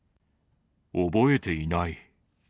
覚えていない。